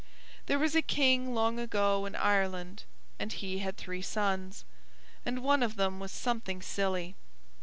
There was a King long ago in Ireland, and he had three sons, and one of them was something silly.